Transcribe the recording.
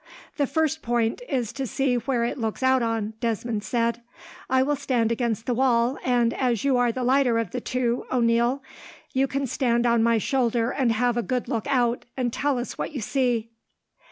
"The first point is to see where it looks out on," Desmond said. "I will stand against the wall, and as you are the lighter of the two, O'Neil, you can stand on my shoulder and have a good look out, and tell us what you see.